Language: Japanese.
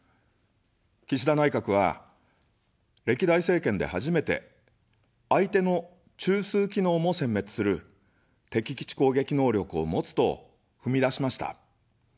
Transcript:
岸田内閣は、歴代政権で初めて、相手の中枢機能もせん滅する敵基地攻撃能力を持つと踏み出しました。